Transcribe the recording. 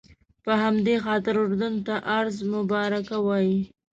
په همدې خاطر اردن ته ارض مبارکه وایي.